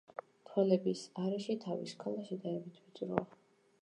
თვალების არეში თავის ქალა შედარებით ვიწროა.